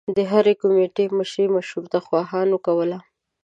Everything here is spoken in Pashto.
د هرې کومیټي مشري مشروطه خواهانو کوله.